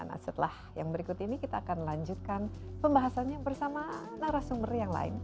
nah setelah yang berikut ini kita akan lanjutkan pembahasannya bersama narasumber yang lain